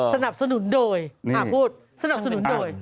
สนับสนุนโดยพูดสนับสนุนโดย